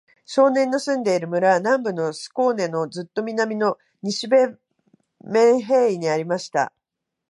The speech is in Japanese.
少年の住んでいる村は、南部スコーネのずっと南の、西ヴェンメンヘーイにありました。